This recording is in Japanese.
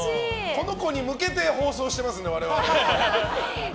この子に向けて放送してますので、我々。